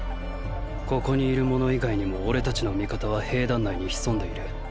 ここにいる者以外にも俺たちの味方は兵団内に潜んでいる。